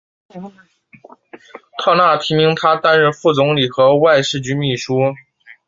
特纳提名他担任副总理和外事局秘书。